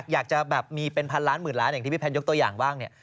อยากจะแบบมีเป็นพันล้านหมื่นล้านอย่างที่พี่แพนยกตัวอย่างบ้างเนี่ย